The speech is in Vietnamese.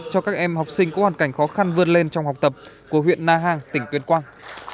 cho các em học sinh có hoàn cảnh khó khăn vươn lên trong học tập của huyện na hàng tỉnh tuyên quang